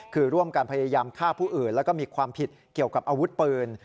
คือร่วมกันพยายามฆ่าผู้อื่นแล้วก็มีความผิดเกี่ยวกับอาวุธปืน